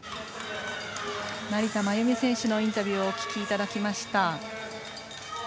成田真由美選手のインタビューをお聞きいただきました。